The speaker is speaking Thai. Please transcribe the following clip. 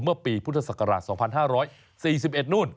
เมื่อปีพุทธศักราช๒๕๔๑นู่น